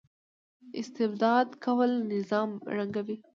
استبداد کول نظام ړنګوي